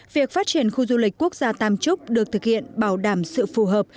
việc phát triển khu du lịch quốc gia tam trúc được thực hiện bảo đảm sự phù hợp